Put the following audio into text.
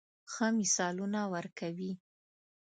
ښه مثالونه ورکوي.